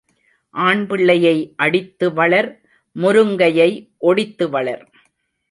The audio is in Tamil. ஆண்பிள்ளையை அடித்து வளர் முருங்கையை ஒடித்து வளர்.